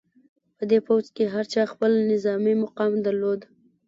په دې پوځ کې هر چا خپل نظامي مقام درلود.